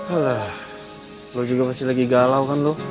alah lo juga pasti lagi galau kan lo